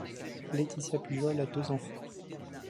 Laetitia Pujol a deux enfants.